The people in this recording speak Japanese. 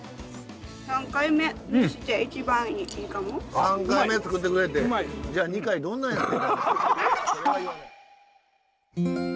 ３回目作ってくれてじゃあ２回どんなやってん！